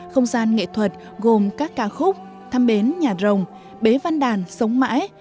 không gian nghệ thuật gồm các ca khúc thăm bến nhà rồng bế văn đàn sống mãi